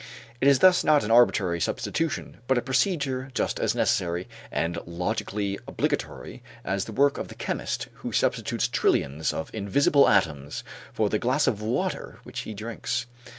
It is thus not an arbitrary substitution but a procedure just as necessary and logically obligatory as the work of the chemist who substitutes trillions of invisible atoms for the glass of water which he drinks.